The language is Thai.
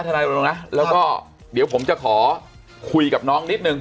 นายรณรงค์นะแล้วก็เดี๋ยวผมจะขอคุยกับน้องนิดนึง